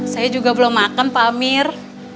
saya juga belum makan pak amir